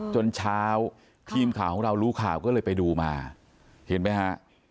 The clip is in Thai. จนเช้าทีมข่าวของเรารู้ข่าวก็เลยไปดูมาเห็นไหมฮะ